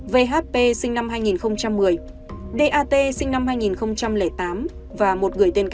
vhp sinh năm hai nghìn một mươi dat sinh năm hai nghìn tám và một người tên cá